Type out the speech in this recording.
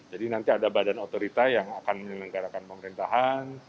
jadi nanti ada badan otorita yang akan menelenggarakan pemerintahan